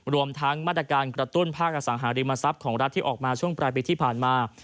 รวมทั้งมาตรการกระตุ้นภาคอสังหาริมทรัพย์ของรัฐที่ออกมาช่วงปลายปีที่ผ่านมา